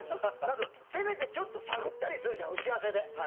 せめてちょっと探ったりするじゃんうち合わせで。